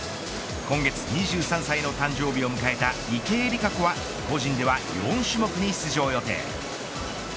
今月２３歳の誕生日を迎えた池江璃花子は個人では４種目に出場予定。